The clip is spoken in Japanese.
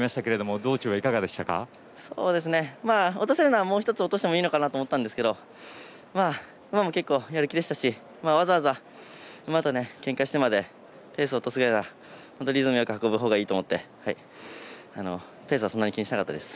落とせるならもう一つ落としてもいいかなと思ったんですが馬も結構、やる気でしたしわざわざ、馬とけんかしてまでペースを落とすより運ぶほうがいいと思ったのでペースはそんなに気にしなかったです。